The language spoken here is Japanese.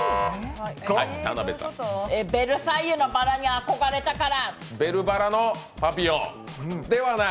「ベルサイユのばら」に憧れたから。